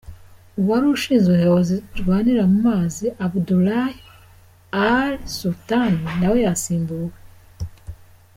Uwari ushinze ingabo zirwanira mu mazi, Abdullah al Sultan na we yasimbuwe.